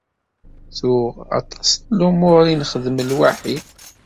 Tuɣ aṭas n lumuṛ i nxeddem lwaḥi.